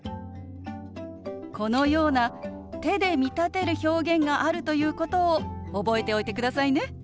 このような手で見立てる表現があるということを覚えておいてくださいね。